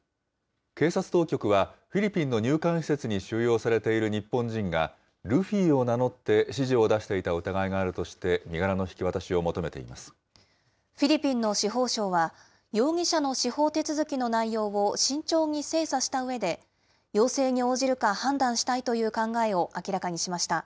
警察当局は、フィリピンの入管施設に収容されている日本人が、ルフィを名乗って指示を出していた疑いがあるとして、身柄の引き渡しを求めていフィリピンの司法相は、容疑者の司法手続きの内容を慎重に精査したうえで、要請に応じるか、判断したいという考えを明らかにしました。